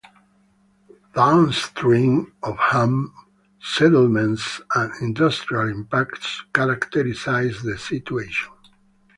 Downstream of Hamm settlements and industrial impacts characterize the situation.